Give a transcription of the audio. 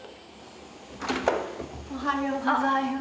おはようございます。